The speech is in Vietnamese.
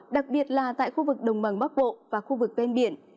đặc biệt là tại khu vực đồng bằng bắc bộ và khu vực ven biển